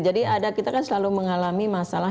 jadi kita kan selalu mengalami masalah